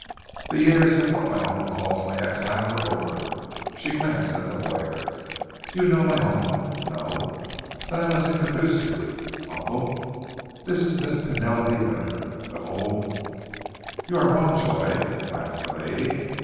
The years of what my uncle calls my exile are over." She glanced at the lawyer. "Do you know my uncle? No! Then I must introduce you. Uncle, this is Miss Penelope Winter, an old " "You are wrong, Joy," laughed the lady.